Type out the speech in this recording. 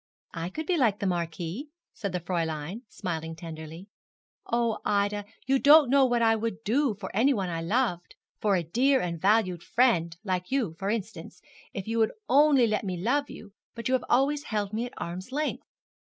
'I could be like the marquis,' said the Fräulein, smiling tenderly.' Oh, Ida, you don't know what I would do for anyone I loved for a dear and valued friend, like you for instance, if you would only let me love you; but you have always held me at arm's length.'